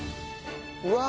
うわ！